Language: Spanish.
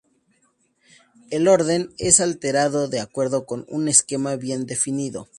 El orden es alterado de acuerdo con un esquema bien definido.